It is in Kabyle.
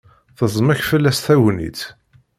Teẓmek fell-as tagnitt.